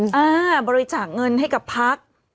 อืมมีบริจาคเงินให้กับพทักษ์